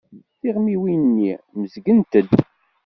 Tiɣmiwin-nni mmezgent-d.